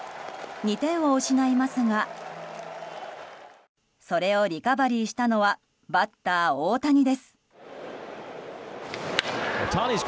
２点を失いますがそれをリカバリーしたのはバッター大谷です。